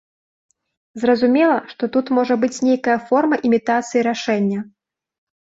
Зразумела, што тут можа быць нейкая форма імітацыі рашэння.